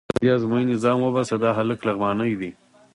راځه له دې ازموینې ځان وباسه، دا هلک لغمانی دی.